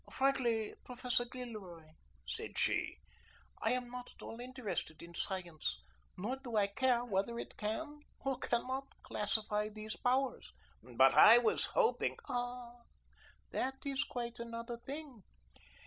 "Frankly, Professor Gilroy," said she, "I am not at all interested in science, nor do I care whether it can or cannot classify these powers." "But I was hoping " "Ah, that is quite another thing.